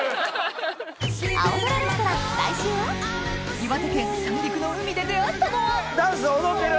岩手県・三陸の海で出合ったのはダンス踊ってる！